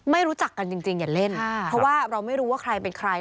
รู้จักกันจริงอย่าเล่นเพราะว่าเราไม่รู้ว่าใครเป็นใคร